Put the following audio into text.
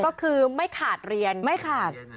ก็คือไม่ขาดเรียนไม่ขาด